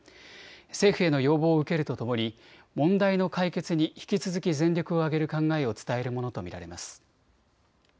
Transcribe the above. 政府への要望を受けるとともに問題の解決に引き続き全力を挙げる考えを伝えるものと見られます。